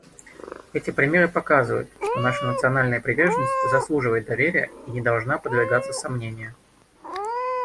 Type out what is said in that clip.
Эти примеры показывают, что наша национальная приверженность заслуживает доверия и не должна подвергаться сомнению.